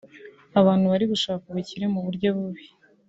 Abantu bari gushaka ubukire mu buryo bubi